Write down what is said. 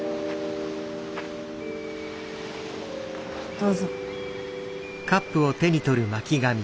どうぞ。